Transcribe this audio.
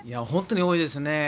本当に多いですね。